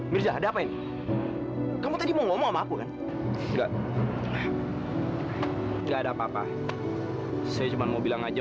mirza ada apa ini kamu tadi mau ngomong sama aku kan enggak enggak ada apa apa saya cuma mau bilang aja